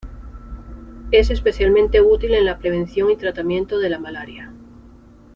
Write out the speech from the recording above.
Es especialmente útil en la prevención y tratamiento de la malaria.